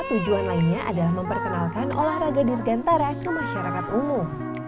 tujuan lainnya adalah memperkenalkan olahraga dirgantara ke masyarakat umum